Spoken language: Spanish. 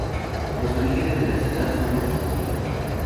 Los orígenes de la ciudad son desconocidos.